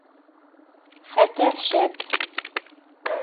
Хәтәр шәп.